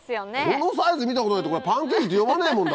このサイズ見たことないってこれパンケーキと呼ばねえもん